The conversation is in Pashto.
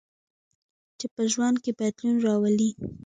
چې په ژوند کې بدلون راولي.